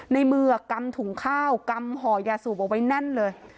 ในมือกำถุงข้าวกำห่อยาสูบเอาไว้แน่นเลย